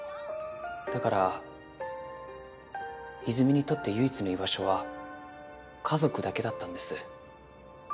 だから和泉にとって唯一の居場所は家族だけだったんです。